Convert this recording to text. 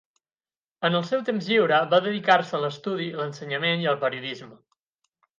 En el seu temps lliure va dedicar-se a l'estudi, l'ensenyament i el periodisme.